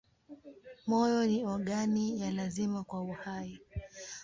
Moyo ni ogani ya lazima kwa uhai.